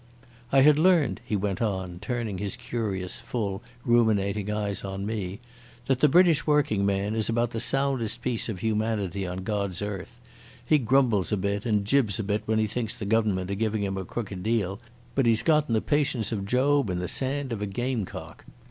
"I had learned," he went on, turning his curious, full, ruminating eyes on me, "that the British working man is about the soundest piece of humanity on God's earth. He grumbles a bit and jibs a bit when he thinks the Government are giving him a crooked deal, but he's gotten the patience of Job and the sand of a gamecock.